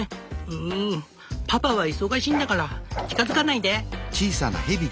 うぅパパは忙しいんだから近づかないで！